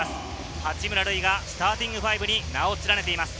八村塁がスターティングファイブに名を連ねています。